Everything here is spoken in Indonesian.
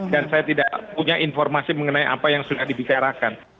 dan saya tidak punya informasi mengenai apa yang sudah dibicarakan